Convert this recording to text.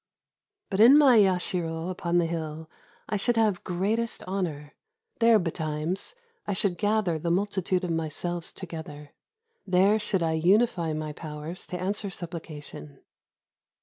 But in my yashiro upon the hill I should have greatest honor: there betimes I should gather the multitude of my selves together; there should I unify my powers to answer supplication.